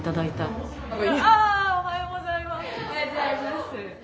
おはようございます。